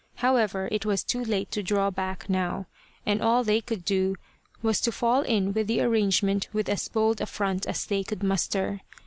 However, it was too late to draw back now, and all they could do was to fall in with the arrangement with as bold a front as they could muster.